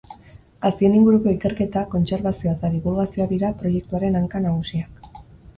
Hazien inguruko ikerketa, kontserbazioa eta dibulgazioa dira proiektuaren hanka nagusiak.